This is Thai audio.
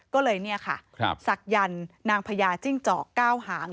ก็เลยศักดิ์ยันนางพญาจิ้งจอกเก้าหาง